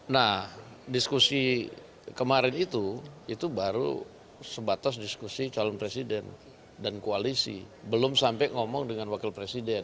nah diskusi kemarin itu itu baru sebatas diskusi calon presiden dan koalisi belum sampai ngomong dengan wakil presiden